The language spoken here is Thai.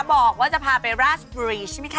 บอกว่าจะพาไปราชบุรีใช่ไหมคะ